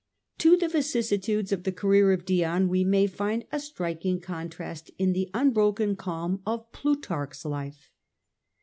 To the vicissitudes of the career of Dion we may find a striking contrast in the unbroken calm of Plutarch^s life.